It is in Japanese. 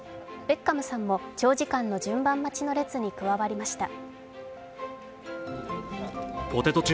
ベッカムさんも長時間の順番待ちの列に加わりました。